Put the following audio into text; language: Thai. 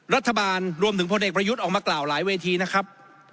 รัฐบาลรวมถึงพลเอกประยุทธ์ออกมากล่าวหลายเวทีนะครับ